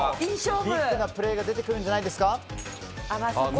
ビッグなプレーが出てくるんじゃないですか。